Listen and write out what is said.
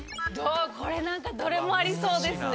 これなんかどれもありそうですね。